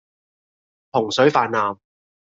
洪水泛濫